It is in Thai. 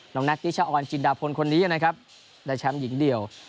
แน็กนิชออนจินดาพลคนนี้นะครับได้แชมป์หญิงเดียว